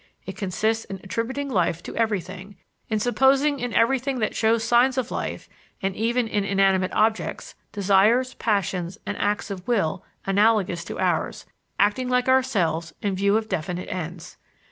It consists in attributing life to everything, in supposing in everything that shows signs of life and even in inanimate objects desires, passions, and acts of will analogous to ours, acting like ourselves in view of definite ends.